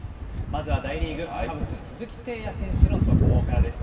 まずは大リーグ・カブス、鈴木誠也選手の速報からです。